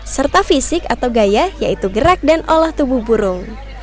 serta fisik atau gaya yaitu gerak dan olah tubuh burung